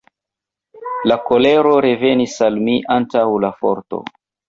La kolero revenis al mi antaŭ la forto.